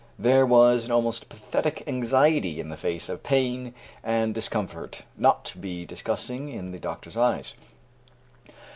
There was an almost pathetic anxiety, in the face of pain and discomfort, not to be disgusting in the doctor's eyes.